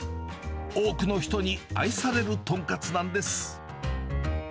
多くの人に愛されるとんかつなんです。